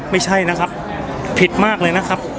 ไม่ใช่นะครับผิดมากเลยนะครับ